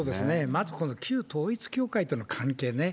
まずこの旧統一教会との関係ね。